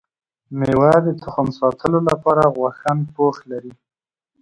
ميوه د تخم ساتلو لپاره غوښه پوښ لري